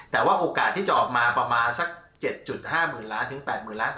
แต่ว่าโอกาสที่จะออกมาประมาณสัก๗๕๐๐๐ล้านถึง๘๐๐๐ล้าน